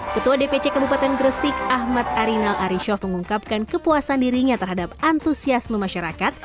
ketua dpc kabupaten gresik ahmad arinal arishaf mengungkapkan kepuasan dirinya terhadap antusiasme masyarakat